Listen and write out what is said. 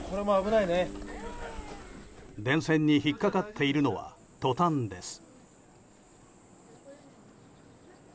電線に引っかかっているのはトタンです。